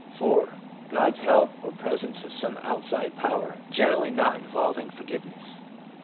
God's help, or presence of some outside power (generally not involving forgiveness).